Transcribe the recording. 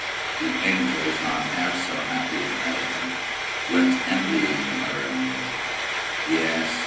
The angels, not half so happy in heaven, Went envying her and me Yes!